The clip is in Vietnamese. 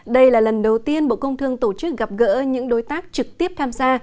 đây là lần đầu tiên bộ công thương tổ chức gặp gỡ những đối tác trực tiếp tham gia